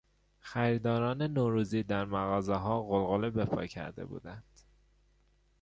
خریداران نوروزی در مغازهها غلغله به پا کرده بودند.